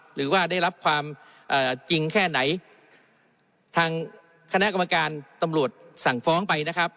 หรือว่าได้รับความจริงแค่ไหนทางคณะกรรมการตำรวจสั่งฟ้องไปนะครับ